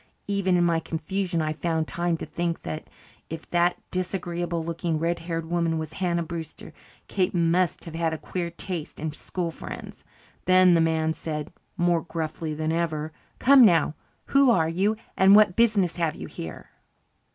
Even in my confusion, I found time to think that if that disagreeable looking red haired woman was Hannah Brewster, Kate must have had a queer taste in school friends. Then the man said, more gruffly than ever, "Come now. Who are you and what business have you here?"